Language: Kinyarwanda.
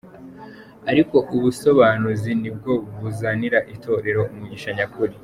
Ariko ubusobanuzi nibwo buzanira itorero umugisha nyakuri.